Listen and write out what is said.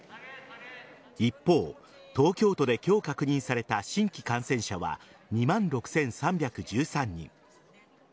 一方、東京都で今日確認された新規感染者は２万６３１３人。